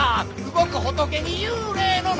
動く仏に幽霊の謎！